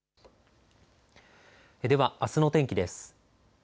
では、あすの天気です。